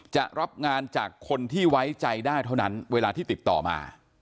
จะรับงานจากคนที่ไว้ใจได้เท่านั้นเวลาที่ติดต่อมา